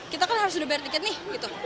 kita kan harus udah bayar tiket nih gitu